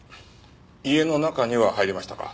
家の中には入りましたか？